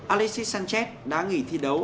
alexis sanchez đã nghỉ thi đấu